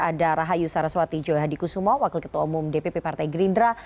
ada rahayu saraswati joya hadi kusuma wakil ketua umum dpp partai gerindra